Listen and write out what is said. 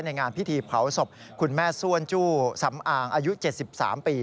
งานพิธีเผาศพคุณแม่ส้วนจู้สำอางอายุ๗๓ปี